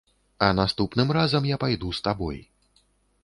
А наступным разам я пайду з табой!